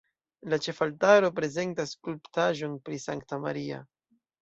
La ĉefaltaro prezentas skulptaĵon pri Sankta Maria.